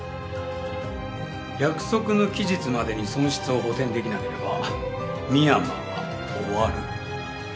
約束の期日までに損失を補填できなければ深山は終わる。